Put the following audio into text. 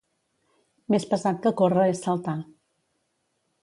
Més pesat que córrer és saltar.